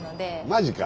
マジか。